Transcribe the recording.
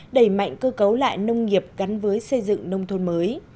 đẩy mạnh cơ cấu lại nông nghiệp gắn với xây dựng nông thôn mới